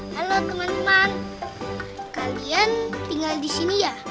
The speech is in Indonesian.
halo teman teman kalian tinggal di sini ya